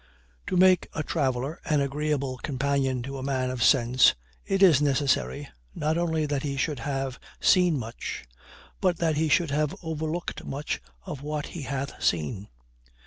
To make a traveler an agreeable companion to a man of sense, it is necessary, not only that he should have seen much, but that he should have overlooked much of what he hath seen.